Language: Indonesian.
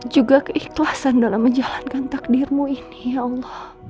juga keikhlasan dalam menjalankan takdirmu ini ya allah